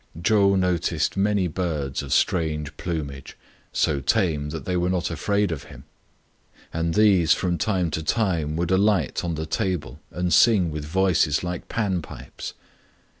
Chou noticed many birds of strange plumage, so tame that they were not afraid of him ; and these from time to time would alight on the table and sing with voices like Pan pipes.